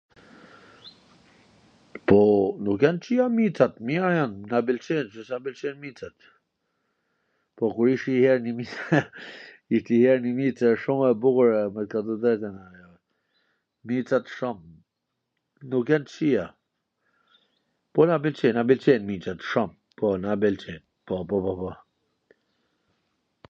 Po, nuk jan t kwqia micat, na pwlqejn, si s na pwlqejn micat? Po kur ish njw her njw mic shum e bukur me t kallzu tw drejtwn, micat shum, nuk jan t kwqia, po na pwlqejn, na pwlqejn micat shum, po, na pwlqejn, po, po, po.